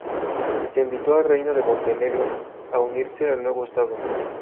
Se invitó al Reino de Montenegro a unirse al nuevo estado.